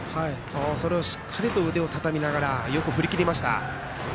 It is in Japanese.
それを、しっかり腕をたたみながらよく振りきりました。